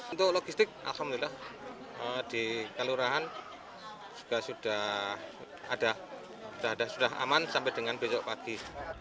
untuk logistik alhamdulillah di kelurahan juga sudah aman sampai dengan besok pagi